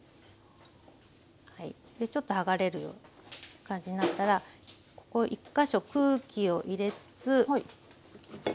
はいでちょっと剥がれるような感じになったら１か所空気を入れつつ。